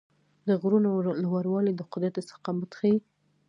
د غرونو لوړوالی د قدرت استقامت ښيي.